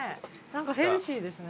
ヘルシーですね。